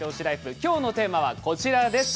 きょうのテーマはこちらです。